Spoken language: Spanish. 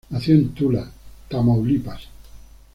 Nació en Tula, Tamaulipas.